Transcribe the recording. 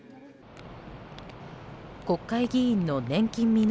国会議員の年金未納